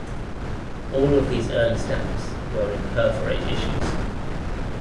All of these early stamps were imperforate issues.